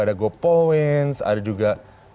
ada gopoints ada juga